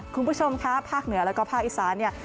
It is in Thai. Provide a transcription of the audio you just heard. คุณผู้ชมครับภาคเหนือและภาคอีสานี้